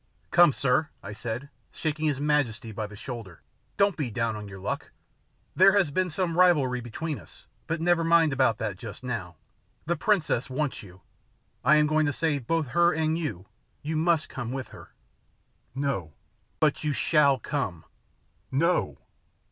"Come, sir," I said, shaking his majesty by the shoulder, "don't be down on your luck. There has been some rivalry between us, but never mind about that just now. The princess wants you. I am going to save both her and you, you must come with her." "No." "But you SHALL come." "No!"